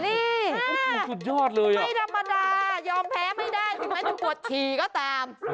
นี่ไม่ธรรมดายยอมแพ้ไม่ได้ถึงให้ชิงปวดฉี่ก็ตาม